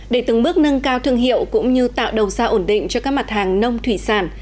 để từng bước nâng cao thương hiệu cũng như tạo đầu ra ổn định cho các mặt hàng nông thủy sản